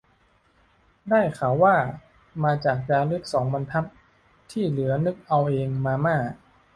ได้ข่าวว่า มาจากจารึกสองบรรทัด ที่เหลือนึกเอาเอง มาม่า